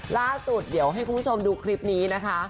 ล่าสุดเดี๋ยวให้คุณผู้ชมดูคลิปนี้นะคะ